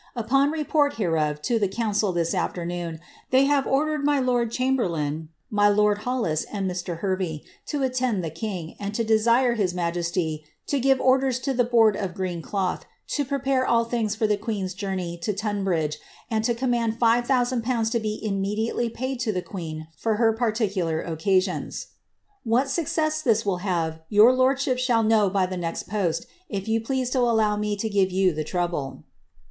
Upon report hereof to w council this afternoon, they have ordered my lord chamberlain, my loid Hollis, and Mr. Ilervey, to attend tlie king, and to desire his majestrto give orders to the board of green cloth, to prepare all things for ihf queen's journey to Tunbridge, and to command five thousand pooa^ to be immediately paid to the queen for her particular occasions. WW CATHARINE OF BRAOANXA. 353 « this will have, your lordship shall know by the next post, if leane to allow me to g^ive you the trouble.''